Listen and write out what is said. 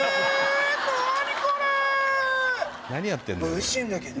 おいしいんだけど。